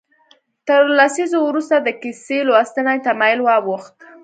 تر لسیزو وروسته د کیسه لوستنې تمایل واوښت.